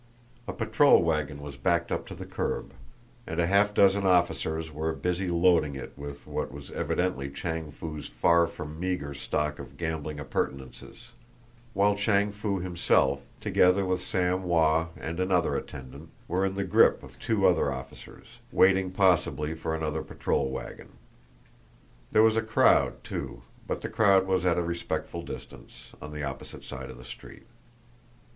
A patrol wagon was backed up to the curb, and a half dozen officers were busy loading it with what was evidently Chang Foo's far from meagre stock of gambling appurtenances; while Chang Foo himself, together with Sam Wah and another attendant, were in the grip of two other officers, waiting possibly for another patrol wagon. There was a crowd, too, but the crowd was at a respectful distance on the opposite side of the street.